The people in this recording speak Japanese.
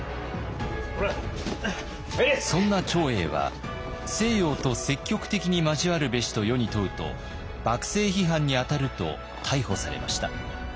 そんな長英は「西洋と積極的に交わるべし」と世に問うと幕政批判にあたると逮捕されました。